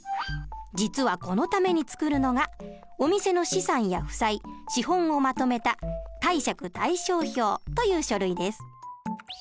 実はこのために作るのがお店の資産や負債資本をまとめた貸借対照表という書類です。